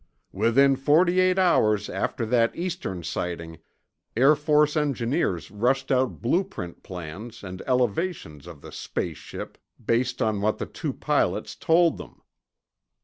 "Within forty eight hours after that Eastern sighting, Air Force engineers rushed out blueprint plans and elevations of the 'space ship,' based on what the two pilots told them."